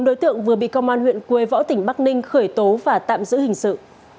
năm đối tượng vừa bị công an huyện quế võ tỉnh bắc ninh khởi tố và tạm giữ hình sự